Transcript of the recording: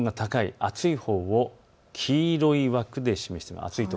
暑いほうを黄色い枠で示しています。